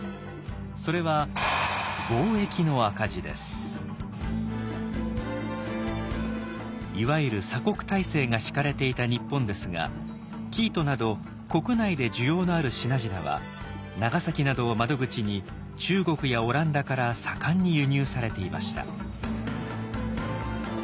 それはいわゆる鎖国体制が敷かれていた日本ですが生糸など国内で需要のある品々は長崎などを窓口に中国やオランダから盛んに輸入されていました。